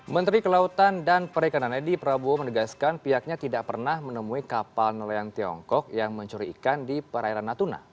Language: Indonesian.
menteri kelautan dan perikanan edi prabowo menegaskan pihaknya tidak pernah menemui kapal nelayan tiongkok yang mencuri ikan di perairan natuna